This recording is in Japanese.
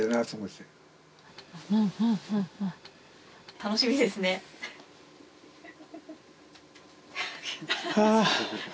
楽しみですね。は。